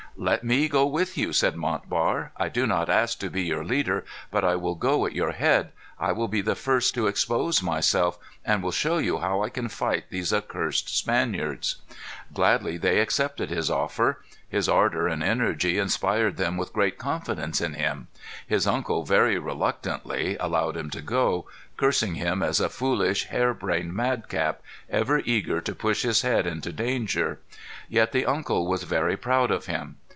"Let me go with you," said Montbar. "I do not ask to be your leader, but I will go at your head. I will be the first to expose myself, and will show you how I can fight these accursed Spaniards." Gladly they accepted his offer. His ardor and energy inspired them with great confidence in him. His uncle very reluctantly allowed him to go, cursing him as a foolish, hair brained madcap, ever eager to push his head into danger. Yet the uncle was very proud of him.